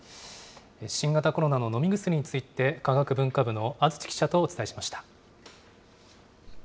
新型コロナの飲み薬について、科学文化部の安土記者とお伝えしました。